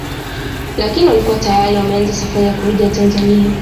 Lakini walikuwa tayari wameanza safari ya kurejea Tanzania